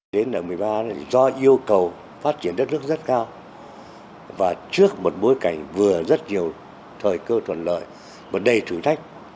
đến ở một mươi ba do yêu cầu phát triển đất nước rất cao và trước một bối cảnh vừa rất nhiều thời cơ thuận lợi và đầy thử thách